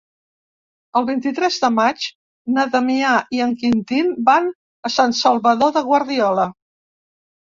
El vint-i-tres de maig na Damià i en Quintí van a Sant Salvador de Guardiola.